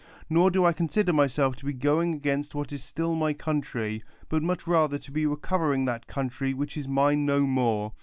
Nor do I consider myself to be going against what is still my country, but much rather to be recovering that country which is mine no more.